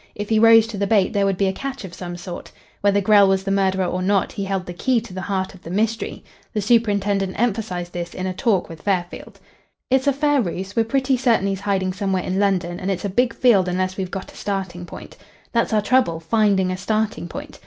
If he rose to the bait there would be a catch of some sort. Whether Grell was the murderer or not, he held the key to the heart of the mystery. The superintendent emphasised this in a talk with Fairfield. "It's a fair ruse. We're pretty certain he's hiding somewhere in London, and it's a big field unless we've got a starting point. That's our trouble finding a starting point.